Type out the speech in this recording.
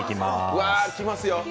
うわあきますよ